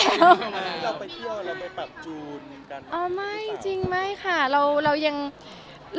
แล้วไปเที่ยวแล้วไปปรับจูนอย่างกัน